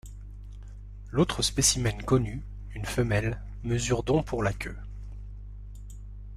L'autre spécimen connu, une femelle, mesure dont pour la queue.